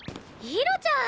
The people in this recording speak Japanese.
ひろちゃん！